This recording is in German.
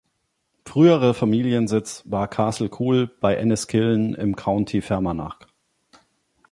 Frühere Familiensitz war Castle Coole bei Enniskillen im County Fermanagh.